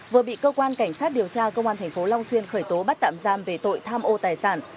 vừa bị cơ quan cảnh sát điều tra công an thành phố long xuyên khởi tố bắt tạm giam về tội tham ô tài sản